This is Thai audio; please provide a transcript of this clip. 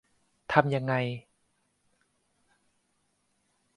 ทำยังไง